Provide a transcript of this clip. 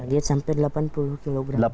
lihat sampai delapan puluh kg